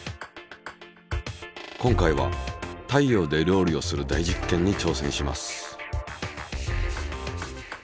今回は太陽で料理をする大実験に挑戦します。